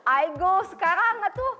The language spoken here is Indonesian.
ago sekarang atu